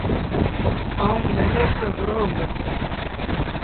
آئوٚݩ ميلي تي وُهڙو هُندس۔